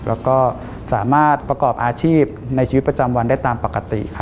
แล้วก็สามารถประกอบอาชีพในชีวิตประจำวันได้ตามปกติ